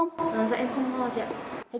thế chế độ ăn uống ở đây thế nào ạ em